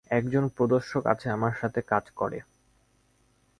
একজন প্রদর্শক আছে আমার সাথে কাজ করে।